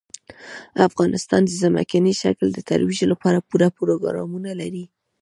افغانستان د ځمکني شکل د ترویج لپاره پوره پروګرامونه لري.